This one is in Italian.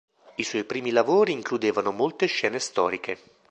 I suoi primi lavori includevano molte scene storiche.